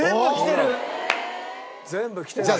全部来てる！